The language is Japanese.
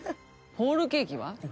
ホールケーキ？